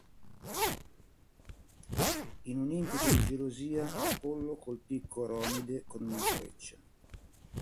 In un impeto di gelosia Apollo colpì Coronide con una freccia.